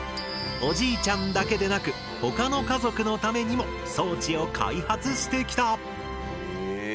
おじいちゃんだけでなくほかの家族のためにも装置を開発してきた。